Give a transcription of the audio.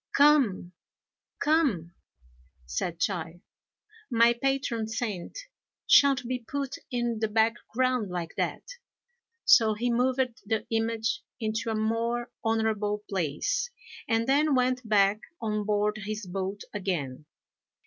"Come! come!" said Chai, "my patron saint shan't be put in the background like that;" so he moved the image into a more honourable place, and then went back on board his boat again.